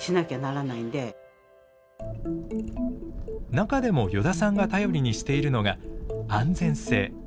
中でも依田さんが頼りにしているのが安全性。